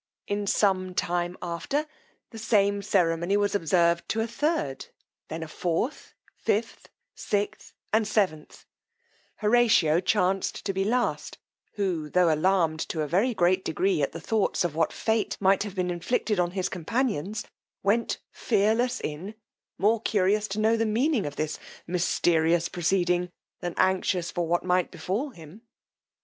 In some time after, the same ceremony was observed to a third; then to a fourth, fifth, sixth, and seventh: Horatio chanced to be the last, who, tho' alarmed to a very great degree at the thoughts of what fate might have been inflicted on his companions, went fearless in, more curious to know the meaning of this mysterious proceeding, than anxious for what might befal him.